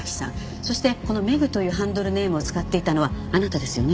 そしてこのメグというハンドルネームを使っていたのはあなたですよね？